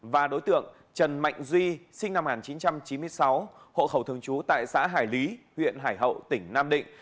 và đối tượng trần mạnh duy sinh năm một nghìn chín trăm chín mươi sáu hộ khẩu thường trú tại xã hải lý huyện hải hậu tỉnh nam định